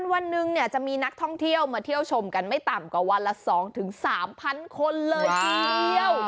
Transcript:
วันหนึ่งเนี่ยจะมีนักท่องเที่ยวมาเที่ยวชมกันไม่ต่ำกว่าวันละ๒๓๐๐คนเลยทีเดียว